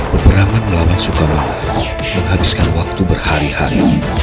perang melawan sukamala menghabiskan waktu berhari hari